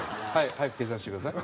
早く計算してください。